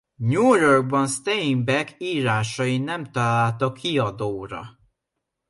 New Yorkban Steinbeck írásai nem találtak kiadóra.